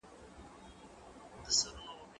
زه مخکي د کتابتون کتابونه لوستي وو؟!